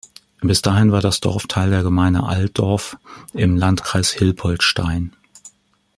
Bis dahin war das Dorf Teil der Gemeinde Altdorf im Landkreis Hilpoltstein.